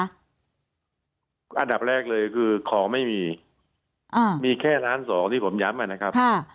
อันดับแรกเลยคือของไม่มีมีแค่ล้านสองที่ผมย้ำนะครับ